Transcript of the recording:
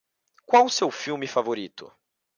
Qual seu filme favorito?